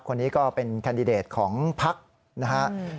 คนนี้ก็เป็นแคนดิเดตของพักนะครับ